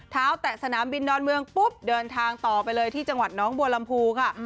แตะสนามบินดอนเมืองปุ๊บเดินทางต่อไปเลยที่จังหวัดน้องบัวลำพูค่ะ